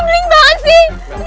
apaan sih balikin ini